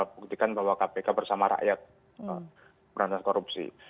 buktikan bahwa kpk bersama rakyat berantas korupsi